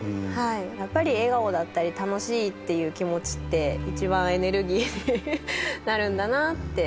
やっぱり笑顔だったり楽しいっていう気持ちって一番エネルギーになるんだなって。